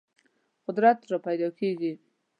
قدرت راپیدا کېږي.